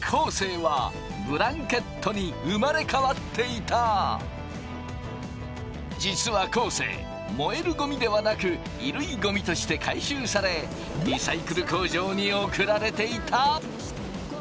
なんと実は昴生燃えるゴミではなく衣類ゴミとして回収されリサイクル工場に送られていた。